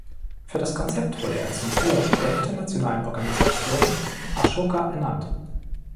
Für das Konzept wurde er zum Fellow der internationalen Organisation Ashoka ernannt.